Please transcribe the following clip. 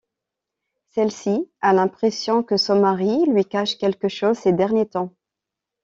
Celle-ci a l'impression que son mari lui cache quelque chose ces derniers temps.